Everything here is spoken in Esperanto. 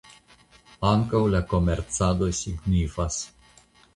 Ankaŭ la komercado signifas.